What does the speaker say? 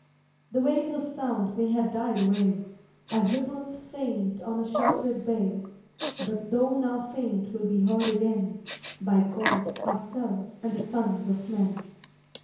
The waves of sound may have died away As ripples faint on a sheltered bay; But though now faint will be heard again, By God, ourselves, and the sons of men.